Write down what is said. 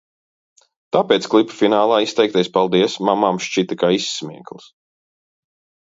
Tāpēc klipa finālā izteiktais paldies mammām šķita kā izsmiekls.